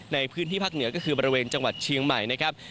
ในพื้นที่ภาคเหนือก็คือบริเวณจังหวัดเชียงใหม่นะครับ